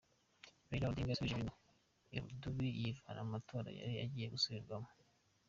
Raila Odinga yasubije ibintu irudubi yivana mu matora yari agiye gusubirwamo